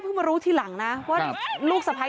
กังฟูเปล่าใหญ่มา